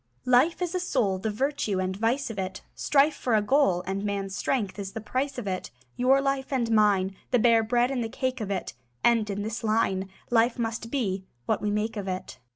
Life is a soul; The virtue and vice of it. Strife for a goal, And man's strength is the price of it. Your life and mine, The bare bread and the cake of it, End in this line: Life must be what we make of it.